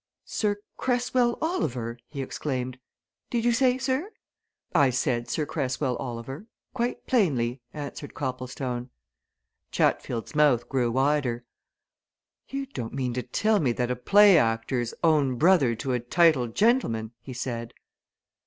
"Sir Cresswell Oliver!" he exclaimed. "Did you say, sir?" "I said Sir Cresswell Oliver quite plainly," answered Copplestone. Chatfield's mouth grew wider. "You don't mean to tell me that a play actor's own brother to a titled gentleman!" he said.